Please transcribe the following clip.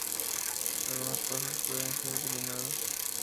Algunos pasos pueden ser eliminados.